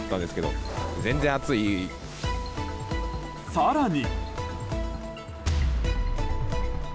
更に。